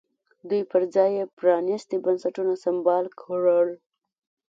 دوی پر ځای یې پرانیستي بنسټونه سمبال کړل.